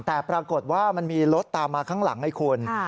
แต่ปรากฏว่ามันมีรถตามมาข้างหลังไอ้คุณ